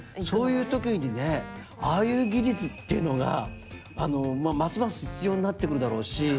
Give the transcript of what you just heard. そういう時にねああいう技術っていうのがますます必要になってくるだろうし。